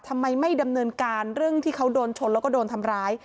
ทำไมไม่ดำเนินการเรื่องที่เขาโดนชนแล้วก็โดนทำร้าย